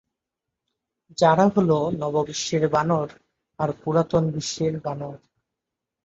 যারা হল নব বিশ্বের বানর আর পুরাতন বিশ্বের বানর।